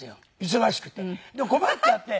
忙しくて。